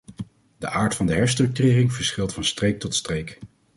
De aard van de herstructurering verschilt van streek tot streek.